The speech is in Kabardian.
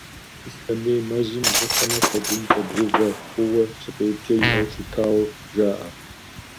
Ислъэмей мэзым ущӀыхьэмэ, пэгун щӀэбгъэувэ хъууэ псыкъепкӀэ иӀэу щытауэ жаӀэ.